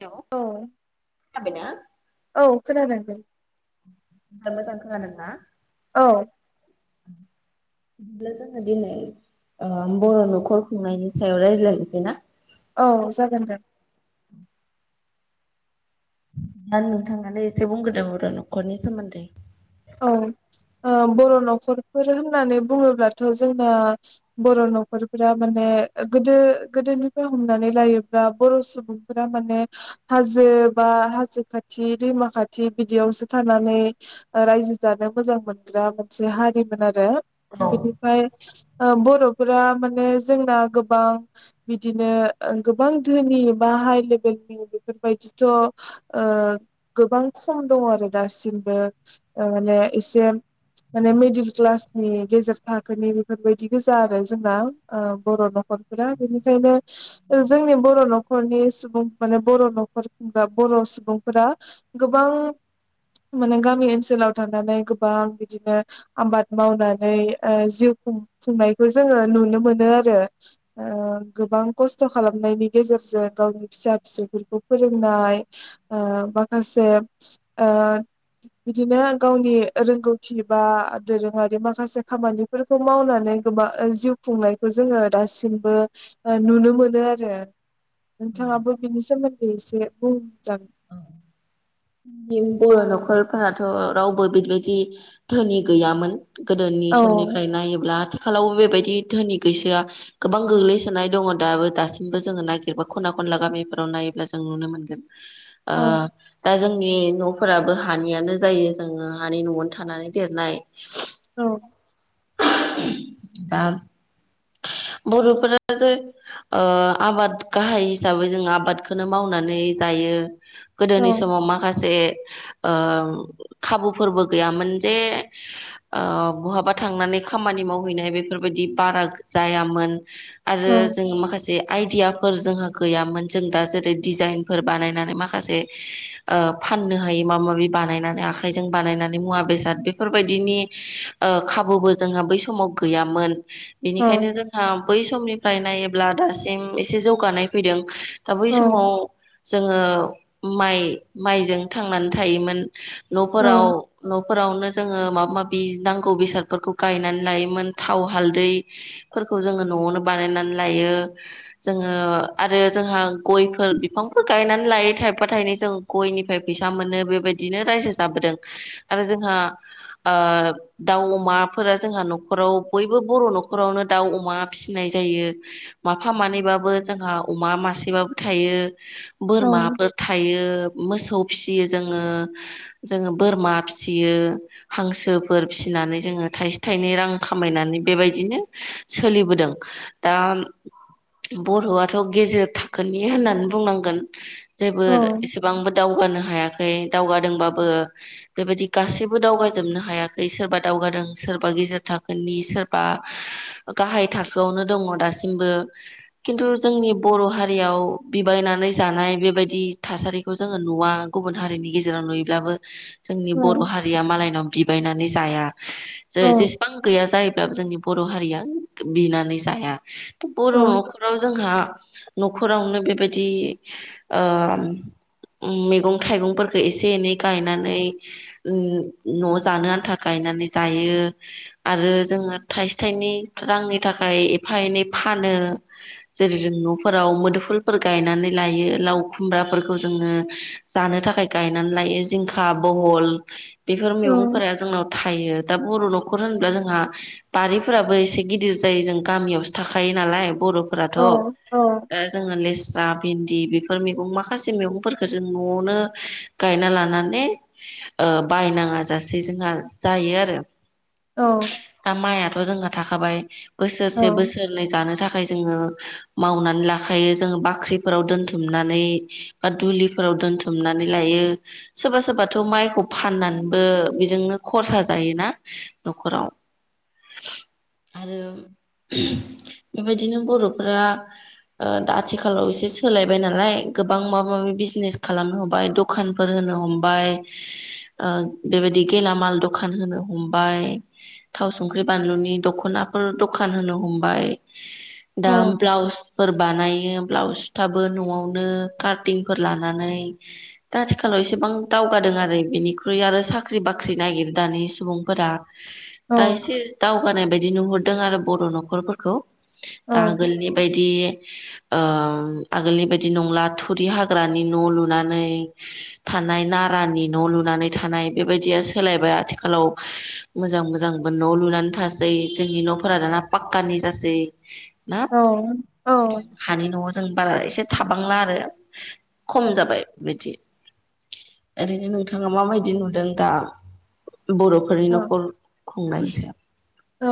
Hello औ खोनाबायना? औ खोनादों दे मोजां खोनादोंना औ बिदिब्ला जोङो दिनै ओ बर' न'खर खुंनायनि सायाव रायज्लायनोसै ना औ जागोन जागोन दा नोंथांआनो एसे बुंग्रोदो बर' न'खरनि सोमोन्दै औ ओ बर' न'खरफोर होननानै बुङोब्लाथ' जोंना बर' न'खरफोरा माने गोदो गोदोनिफ्राय हमनानै लायोब्ला बर' सुबुं फोरा माने हाजो बा हाजो खाथि दैमा खाथि बिदियावसो थानानै ओ रायजो जानो मोजां मोनग्रा मोनसे हारिमोन आरो औ बिदि फ्राय ओ बर'फोरा माने जोंना गोबां बिदिनो ओ गोबां धोनि बा हाइ लेबेलनि बेफोर बायदिथ' ओ गोबां खम दङ आरो दासिमबो ओ माने एसे माने मिडिल क्लासनि गेजेर थाखोनि बेफोरबायदि गोजा आरो जोंना ओ बर' न'खरफोरा बेनिखायनो ओ जोंनो बर' न'खरनि सुबुं माने बर' न'खर खुंग्रा बर' सुबुंफोरा गोबां माने गामि ओनसोलाव थानानै गोबां बिदिनो आबाद मावनानै ओ जिउ खुंफुंनायखौ जोङो नुनो मोनो आरो ओ गोबां खस्थ' खालामनायनि गेजेरजों गावनि फिसा फिसौफोरखौ फोरोंनाय ओ माखासे ओ बिदिनो गावनि रोंगौथि बा दोरोङारि माखासे खामानिफोर खौ मावनानै गोबा जिउ खुंनायखौ जोङो दासिमबो ओ नुनो मोनो आरो नोंथाङाबो बिनि सोमोन्दै एसे बुंजा बर' न'खरफोराथ' रावबो बिदिबायदि धोनि गैयामोन गोदोनि औ समनिफ्राय नायोब्ला आथिखालाव बेबायदि धोनि गैजाया गोबां गोग्लैसोनाय दङ दाबो दासिमबो जोङो नागिरबा खना खनला गामिफोराव नायोब्ला जों नुनो मोनगोन औ ओ दा जोंनि न'फोराबो हानियानो जायो जोङो हानि न'आवनो थानानै देरनाय औ दा बर'फोराबो ओ आबाद गाहाय हिसाबै जों आबादखौनो मावनानै जायो औ गोदोनि समाव माखासे ओ खाबुफोरबो गैयामोन जे ओ बहाबा थांनानै खामानि मावहैनाय बेफोरबायदि बारा जायामोन आरो औ जोङो माखासे जे आइडियाफोर जोंहा गैयामोन जों दा जेरै डिजाइनफोर बानायनानै माखासे ओ फाननो हायो माबा माबि बानायनानै आखाइजों बानायनानै मुवा बेसाद बेफोरबायदिनि ओ खाबुबो जोंहा बै समाव गैयामोन इ औ बेखायनो जोंहा बै समनिफ्राय नायोब्ला दासिम एसे जौगानाय फैदों दा बै समाव औ जोंङो माइ माइजों थांनानै थायोमोन। औ न'फोराव न'फोरावनो जोंङो माबा माबि नांगौ बेसादफोरखौ गायनानै लायोमोन थाव हालदै। फोरखौ जोंङो न'आवनो बानायनानै लायो। जोङो आरो जोंहा गयफोर बिफांफोर गायनानै लायो थाइफा थायनै जों गयनिफ्राय फैसा मोनो बेबायदिनो रायजो जाबोदों आरो जोंहा ओ दाउ अमाफोरा जोंहा न'खराव बयबो बर' न'ख खरावनो दाउ अमा फिसिनाय जायो माफा मानैबाबो जोंहा अमा मासेबाबो थायो औ बोरमाफोर थायो मोसौ फियो जोंङो जोंङो बोरमा फिसियो हांसोफोर फिसिनानै जोंङो थाइसे थाइनै रां खामायनानै बेबायदिनो सोलिबोदों दाम बर'आथ' गेजेर थाखोनि होननान बुंनांगोन जेबो औ एसे गोबांबो दावगानो हायाखै दावगादोंबाबो बेबादि गासैबो दावगाजोबनो हायाखै सोरबा दावगादों सोरबा गेजेर थाखोनि सोरबा गाहाय थाखोआवनो दङ दासिमबो। किन्तु जोंनि बर' हारियाव बिबायनानै जानाय बेबायदि थासारि खौ जोङो नुवा गुबुन हारिनि गेजेराव नुयोब्लाबो जोंनि औ बर' हारिया मालायनाव बिबायनानै जाया औ जो जेसेबां गैया जायोब्लाबो जोंनि बर' हारिया बिनानै जाया त बर' औ नखर आव जोंहा न'खरावनो बेबायदि ओम उम मेगं थाइगंफोरखो एसे एनै गायनानै ओ न' जानो आन्था गायनानै जायो। आरो जोंङो थाइसे थाइनै रांनि थाखाय एफा एनै फानो। जेरै जों न'फोराव मोदोफुलफोर गायनानै लायो लाव खुमब्राफोरखौ जोंङो जानो थाखाय गायनानै लायो जिंखा, बहल बेफोर औ मेगंफोरा जोंनाव थायो। दा बर' न'खर होनब्ला जोंहा बारिफोराबो एसे गिदिर जायो जों गामियावसो थाखायो नालाय बर'फोराथ' औ ओ औ जोंङो लेस्रा, भिन्दि बेफोर मेगं माखासे मेगंफोरखो जों न'वनो गायना लानानै ओ बायनाङा जासे जोंहा जायो आरो औ दा माइयाथ' जोंहा थाखाबाय बोसोरसे औ बोसोरनै जानो थाखाय जोंङो मावनानै लाखायो जोंङो बाख्रिफोराव दोनथुमनानै बा दुलिफोराव दोनथुमनानै लायो। सोरबा-सोरबाथ' माइखौ फाननानैबो बेजोंनो खरसा जायोना न'खराव। आरो बेबायदिनो बर'फोरा ओ दा आथिखालाव एसे सोलायबाय नालाय गोबां माबा माबि बिजनेस खालामनो हबाय द खानफोर होनो हमबाय ओ बेबादि गेलामाल दखान होनो हमबाय। थाव संख्रि बानलुनि दख'नाफोर दखान होनो हमबाय दा ब्लाउस फोर बानायो ब्लाउस सुथाबो न'आवनो काटिंफोर लानानै दा आथिखालाव एसेबां दावगादों आरो बिनिख्रुइ आरो साख्रि बाख्रि नागिर दानि सुबुंफोरा। औ दा एसे दावगानाय बायदि नुहुरदों आरो बर' न'खरफोरखौ दा आगोलनि बायदि ओ आगोलनि बादि नंला थुरि हाग्रानि न' लुनानै थानाय नारानि न' लुनानै थानाय बेबायदिया सोलायबाय आथिखालाव मोजां-मोजां न' लुनानै थासै जोंनि न'फोरा दाना पाक्कानि जासै ना औ हानि न'आव जों बारा एसे थाबांला आरो खम औ जाबाय बिदि ओरैनो नोंथाङा माबायदि नुदों दा बर'फोरनि न'खर खुंनायनि सायाव औ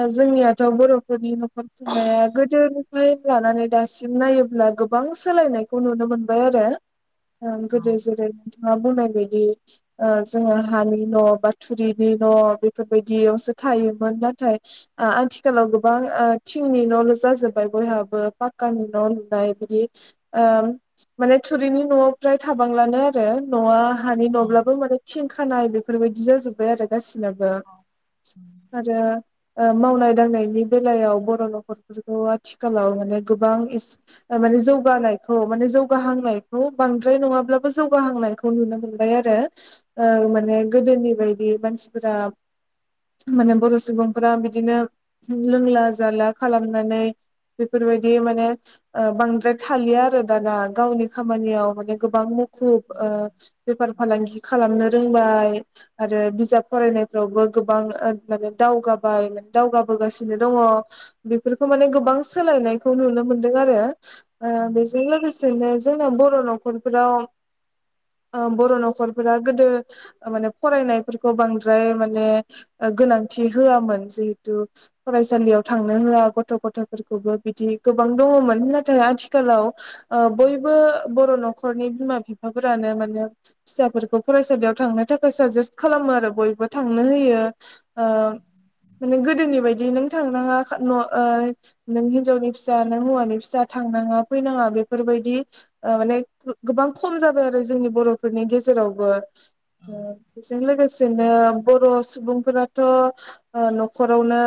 ओ जोंनियाथ' बर'फोरनि न'खर नाया गोदोनिफ्राय लानानै दासिम नायोब्ला गोबां सोलायनायखौ नुनो मोनबाय आरो। ओं गोदो जेरै ङा बुंनाय बायदि ओ जोंङो हानि न' बा थुरिनि न' बेफोरबायदियावसो थायोमोन नाथाय ओ आथिखालाव गोबां ओ थिंनि न'ल' जाजोब्बाय बयहाबो पाक्कानि न' लुनाय बिदि ओ माने थुरिनि न'आव फ्राय थाबांलानो आरो न'आ हानि न'ब्लाबो माने थिं खानाय बेफोरबायदि जाजोब्बाय आरो गासिनबो। [unintelligible] जोङो ओ मावनाय दांनायनि बेलायाव बर' न'खरफोरखौ आथिखालाव माने गोबां इसे ओ माने जौगानायखौ माने जौगाहांनायखौ बांद्राय नङाब्लाबो जौगाहांनायखौ खौ नुनो मोनबाय आरो ओ माने गोदोनि बायदि मानसिफोरा माने बर' सुबुंफोरा बिदिनो लोंला जाला खालामनानै बेफोरबायदि माने ओ बांद्राय थालिया आरो दाना गावनि खामानियाव माने गोबां खुब ओ बेफार फालांगि खालामनो रोंबाय आरो बिजाब फरायनायफ्रावबो गोबां ओ माने दावगाबाय माने दावगाबोगासिनो दङ। बेफोरखौ माने गोबां सोलायनायखौ नुनो मोनदों आरो। ओ बेजों लोगोसेनो जोंनाव बर' न'खरफोराव ओ बर' न'खरफोरा गोदो माने फरायनायफोरखौ बांद्राय माने ओ गोनांथि होआमोन जिहेथु फरायसालियाव थांनो होआ गथ' गथायफोरखौबो बिदि गोबां दङमोन नाथाय आथिखालाव ओ बयबो बर' न'खरनि बिमा बिफाफोरानो माने फिसाफोरखौ फरायसालियाव थांनो थाखाय साजेस्ट खालामो आरो बयबो थांनो होयो ओ माने गोदोनि बायदि नों थांनाङा न' ओ नों हिनजावनि फिसा नों हौवानि फिसा थांनाङा फैनाङा बेफोरबायदि ओ माने गोबां खम जाबाय आरो जोंनि बर'फोरनि गेजेरावबो। ओ बेजों लोगोसेनो बर' सुबुंफोराथ' ओ न'खरावनो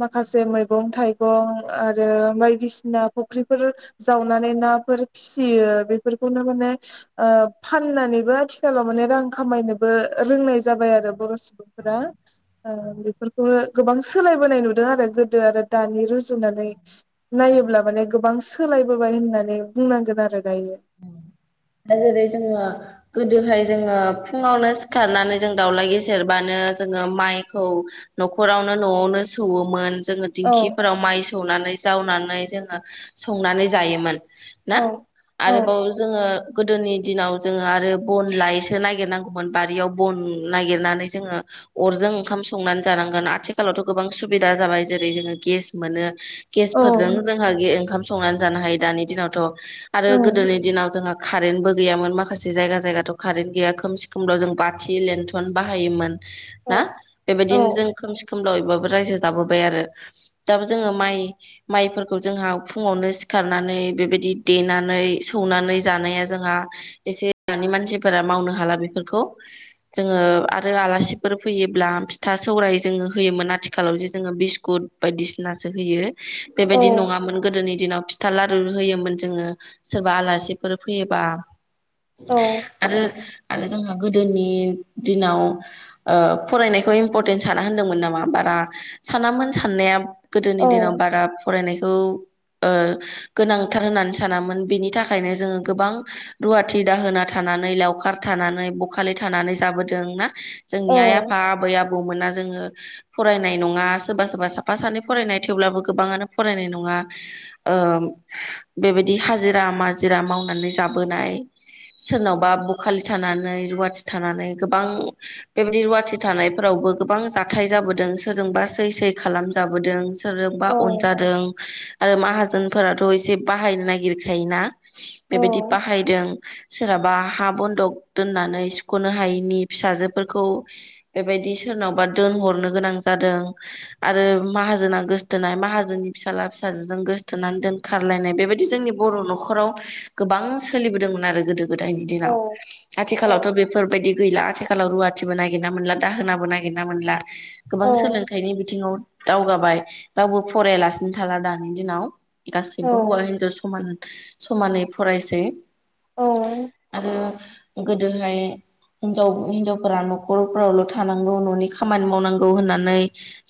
माखासे मैगं थाइगं आरो बायदिसिना फुख्रिफोर जावनानै नाफोर फिसियो बेफोरखौनो माने ओ फाननानैबो आथिखालाव माने रां खामायनोबो रोंनायजा जाबाय आरो बर' सुबुंफोरा ओ बेफोरखौ गोबां सोलायबोनाय नुदों आरो गोदो आरो दानि रुजुनानै नायोब्ला माने गोबां सो सोलायबोबाय होननानै बुंनांगोन आरो दायो। दा जेरै जोङो गोदोहाय जोङो फुङावनो सिखारनानै जों दाउला गेसेेरबानो जोङो माइखौ न'खरावनो न'आवनो सौवोमोन जोङो औ दिंखिफोराव माइ सौनानै जावनानै जोङो संनानै जायोमोन। औ ना औ आरोबाव जोङो गोदोनि दिनाव जोङो आरो बन लायैसो नागिरनांगौ न बारियाव बन नागिरनानै जोङो अरजों ओंखाम संनानै जानांगोन आथिखालावथ' गोबां सुबिदा जाबाय जेरै जोङो गेस मोनो। औ गेसफोरजों जोंहा ओंखाम संनानै जानो हायो दानि दिनावथ' आरो औ गोदोनि दिनाव जोंहा कारेन्तबो गैयामोन माखासे जायगा जायगाथ' कारेन्ट गैया खोमसि खोमलाव जों बाथि लेन्ट्रन बाहायोमोन। ना औ बेबायदिनो जों खोमसि खोमलाावबाबो रायजो जाबोबाय आरो। दाबो जोङो माइ माइफोरखौ जोंहा फुङावनो सिखारनानै बेबायदि देनानै सौनानै जानाया जोंहा एसे दानि मानसिफोरा मावनो हाला बेफोरखौ। जोङो आरो आलासिफोर फैयोब्ला फिथा सौराय जोङो होयोमोन आथिखालाव जे जोङो बिस्कुट बायदिसिनासो होयो। बेबायदि नङामोन गोदोनि दिनाव फिथा लारु होयोमोन जोङो सोरबा आलासि फोर फैयोबा औ आरो आरो जोंहा गोदोनि दिनाव ओ फरायनायखौ इम्परटेन्स साना होनदोंमोन नामा बारा सानामोन साननाया गोदोनि औ दिनाव बारा फरायनायखौ ओ गोनांथार होननानै सानामोन बेनि थाखायनो जोङो गोबां रुवाथि दाहोना थानानै लावखार थानानै बखालि थानानै जाबोदों ना औ जोंनि आइ-आफा, आबै-आबौमोना जोङो फरायनाय नङा सोरबा सोरबा साफा सानै फरायनाय थेवब्लाबो गोबाङानो फरायनाय नङा ओ बेबायदि हाजिरा माजिरा मावनानै जाबोनाय सोरनावबा बखालि थानानै रुवाथि थानानै गोबां बेबायदि रुवाथि थानायफोरावबो गोबां जाथाय जाबोदों सोरजोंबा सै सै खालामजाबोदों। सोरजोंबा औ अनजादों आरो ओ माहाजोनफोराथ' एसे बाहायनो नागिरखायोना बेबायदि बाहायदों सोरहाबा हा बन्दक दोननानै सुख'नो हायैनि फिसाजोफोरखौ बेबायदि सोरनावबा दोनहरनो गोनां जादों। आरो माहाजोना गोसथोनाय माहाजोननि फिसाज्ला फिसाजोजों गोसोथोनानै दोन खारलायनाय बेबायदि जोंनि बर' न'खराव गोबां सोलिबोदोंमोन आरो गोदो गोदायनि औ दिनाव आथिखालावथ' बेफोरबायदि गैला आथिखालाव रुवाथिबो नागिरना मोनला दाहोनाबो नागिरना मोनला। गोबां औ सोलोंथाइनि बिथिङाव दावगाबाय रावबो फरायलासिनो थाला दानि दिनाव गासैबो हौवा हिनजाव समान समानै फरायसै आरो गोदोहाय हिनजाव हिनजावफोरा न'खरफ्रावल' थानांगौ न'नि खामानि मावनांगौ होननानै।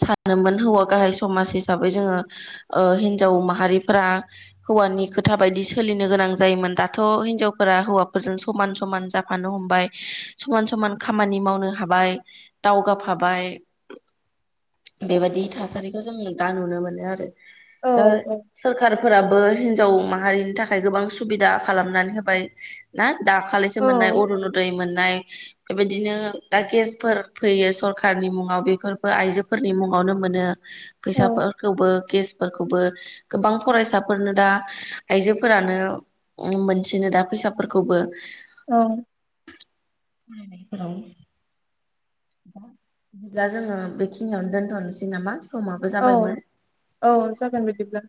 सानोमोन हौवा गाहाय समाज हिसाबै जोङो ओ हिनजाव माहारिफोरा हौवानि खोथा बायदि सो सोलिनो गोनां जायोमोन दाथ' हिनजावफोरा हौवाफोरजों समान समान जाफानो हमबाय। समान समान खामानि मावनो हाबाय दावगाफाबाय बेबायदि थासारिखौ जों दा नुनो मोनो आरो औ ओ सोरखारफोराबो हिनजाव माहारिनि था खाय गोबां सुबिदा खालामनानै होबाय ना दाखालिसो मोननाय अरुनदय मोननाय बेबायदिनो दा गेसफोर फैयो सरखारनि मुङाव बेफोरखौ आइजोफोरनि मुङावनो मोनो। फैसाफोरखौबो गेसफोरखौबो गोबां फरायसाफोरनो दा आइजो फोरानो उम मोनसिनो दा फैसाफोरखौबो औ [unintelligible] दा बिदिब्ला जोङो बेखिनियावनो दोनथ'नोसै नामा समाबो औ जाबायमोन। औ जागोन बिदिब्ला